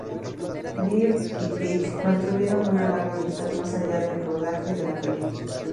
Lee y Peck mantuvieron una larga amistad más allá del rodaje de la película.